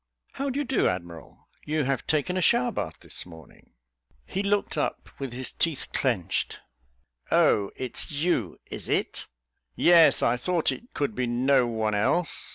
"How do you do, admiral? you have taken a shower bath this morning." He looked up, with his teeth clenched "Oh, it's you, is it? Yes, I thought it could be no one else.